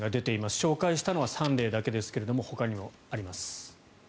紹介したのは３例だけですけどもほかにもあります。